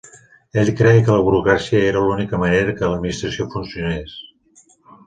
Ell creia que la burocràcia era l'única manera que l'administració funcionés.